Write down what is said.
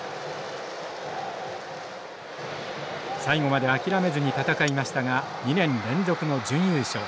最後まで諦めずに戦いましたが２年連続の準優勝。